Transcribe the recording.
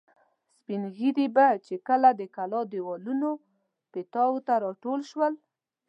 سپین ږیري به چې کله د کلا دېوالونو پیتاوو ته را ټول شول.